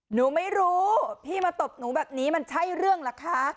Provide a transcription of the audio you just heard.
หนูไม่รู้พี่มาตบหนูแบบนี้มันใช่เรื่องเหรอคะ